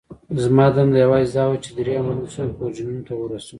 زما دنده یوازې دا وه، چې درې امبولانسونه پورډینون ته ورسوم.